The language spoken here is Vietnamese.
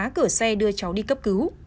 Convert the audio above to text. phá cửa xe đưa cháu đi cấp cứu